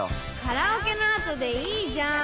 カラオケの後でいいじゃん。